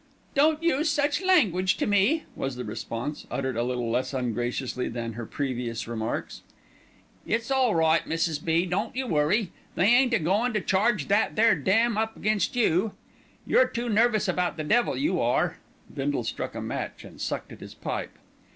"Don't use such language to me," was the response, uttered a little less ungraciously than her previous remarks. "It's all right, Mrs. B., don't you worry, they ain't a goin' to charge that there 'damn' up against you. You're too nervous about the devil, you are," Bindle struck a match and sucked at his pipe.